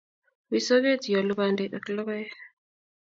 wiy soket ioulu bandek ak logoek